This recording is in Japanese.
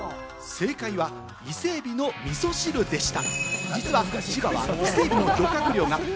正解は伊勢海老のみそ汁でした。